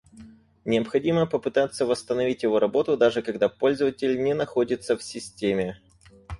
Необходимо попытаться восстановить его работу даже когда пользователь не находится в системе